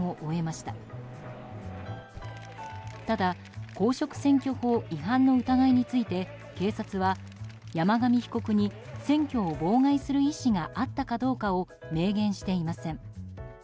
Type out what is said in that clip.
ただ公職選挙法違反の疑いについて警察は、山上被告に選挙を妨害する意思があったかどうかを明言していません。